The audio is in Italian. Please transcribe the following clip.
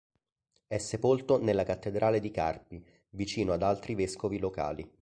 È sepolto nella cattedrale di Carpi, vicino ad altri vescovi locali.